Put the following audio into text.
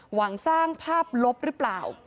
หวังสร้างภาพลบหรือเปล่า